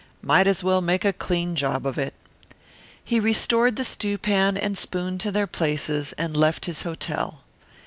Might as well make a clean job of it. He restored the stewpan and spoon to their places and left his hotel.